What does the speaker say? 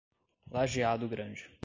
Lajeado Grande